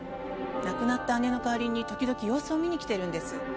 亡くなった姉の代わりに時々様子を見に来てるんです。